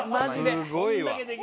すごいわ。